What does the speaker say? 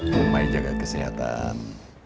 bumai jaga kesehatan